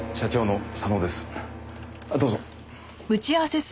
どうぞ。